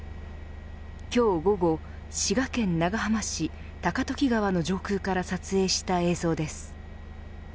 今日午後、滋賀県長浜市高時川の上空から撮影した映像です。